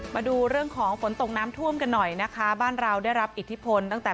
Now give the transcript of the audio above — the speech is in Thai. มาดูเรื่องของฝนตกน้ำท่วมกันหน่อยนะคะบ้านเราได้รับอิทธิพลตั้งแต่